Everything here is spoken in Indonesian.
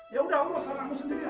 ya udah urus anakmu sendiri lah